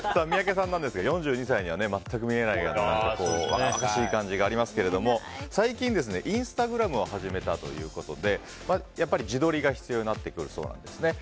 三宅さんなんですが４２歳には全く見えない若々しい感じがありますが最近、インスタグラムを始めたということでやっぱり自撮りが必要になってくるそうなんです。